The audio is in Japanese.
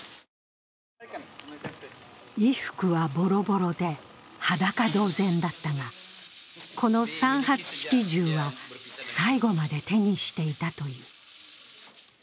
衣服はぼろぼろで、裸同然だったが、この三八式銃は最後まで手にしていたという。